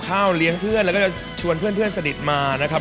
เลี้ยงเพื่อนแล้วก็จะชวนเพื่อนสนิทมานะครับ